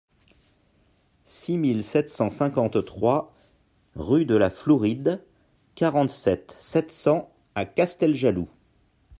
six mille sept cent cinquante-trois rue de la Flouride, quarante-sept, sept cents à Casteljaloux